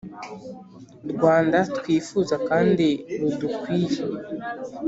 Rwanda twifuza kandi rudukwiye